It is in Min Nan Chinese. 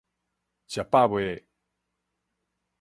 食飽未